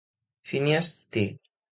Phineas. T.